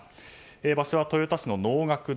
場所は豊田市の能楽堂。